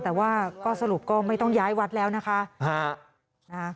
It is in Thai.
แต่ว่าก็สรุปก็ไม่ต้องย้ายวัดแล้วนะคะ